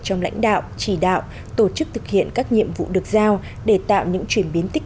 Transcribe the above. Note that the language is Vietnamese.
trong lãnh đạo chỉ đạo tổ chức thực hiện các nhiệm vụ được giao để tạo những chuyển biến tích